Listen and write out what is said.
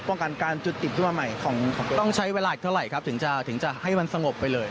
ป้องกันการจุดติดขึ้นมาใหม่ของต้องใช้เวลาอีกเท่าไหร่ครับถึงจะถึงจะให้มันสงบไปเลย